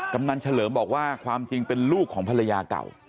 กำนันเฉลิมบอกว่าความจริงเป็นลูกของภรรยาเก่า